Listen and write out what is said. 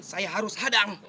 saya harus hadang